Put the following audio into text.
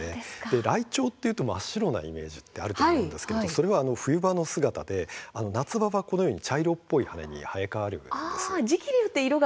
ライチョウというと真っ白なイメージがあると思うんですがそれは冬場の姿で夏場はこのように茶色っぽい羽に生え変わっているんです。